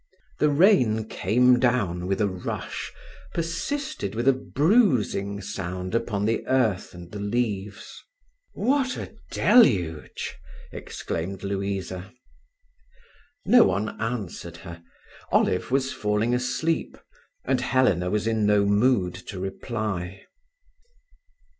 The rain came down with a rush, persisted with a bruising sound upon the earth and the leaves. "What a deluge!" exclaimed Louisa. No one answered her. Olive was falling asleep, and Helena was in no mood to reply.